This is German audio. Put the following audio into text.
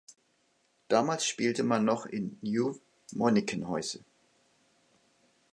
Damals spielte man noch im Nieuw-Monnikenhuize.